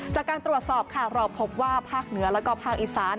จากการตรวจสอบค่ะเราพบว่าภาคเหนือแล้วก็ภาคอีสาน